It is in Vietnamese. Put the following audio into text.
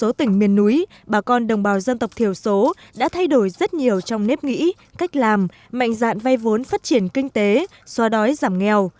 trong tỉnh miền núi bà con đồng bào dân tộc thiểu số đã thay đổi rất nhiều trong nếp nghĩ cách làm mạnh dạn vay vốn phát triển kinh tế xoa đói giảm nghèo